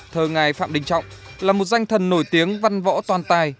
thờ ngài phạm đình trọng là một danh thần nổi tiếng văn võ toàn tài